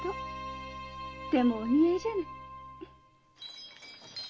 でもお似合いじゃない。